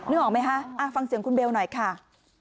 นึกออกมั้ยฮะฟังเสียงคุณเบลหน่อยค่ะ